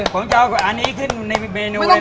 ของเจ้าอันนี้ขึ้นในเมนูเลยนะครับ